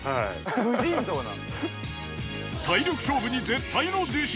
体力勝負に絶対の自信。